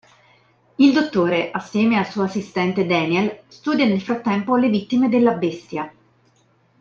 Il dottore assieme al suo assistente Daniel studia nel frattempo le vittime della bestia.